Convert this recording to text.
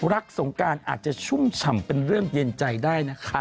สงการอาจจะชุ่มฉ่ำเป็นเรื่องเย็นใจได้นะคะ